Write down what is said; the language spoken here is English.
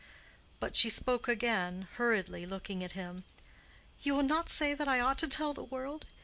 But she spoke again, hurriedly, looking at him, "You will not say that I ought to tell the world?